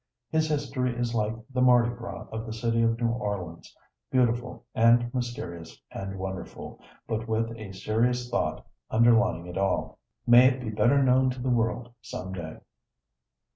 His history is like the Mardi Gras of the city of New Orleans, beautiful and mysterious and wonderful, but with a serious thought underlying it all. May it be better known to the world some day.